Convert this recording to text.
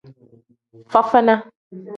Fafana.